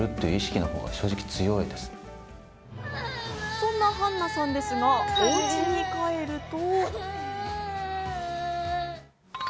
そんな絆菜さんですがおうちに帰ると。